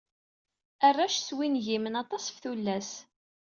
Arrac swingimen aṭas ɣef tulas.